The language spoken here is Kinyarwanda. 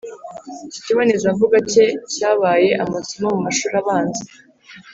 iki kibonezamvugo ke cyabaye ’amasomo mu mashuri abanza